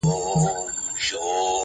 o اورته خپل او پردي يو دي.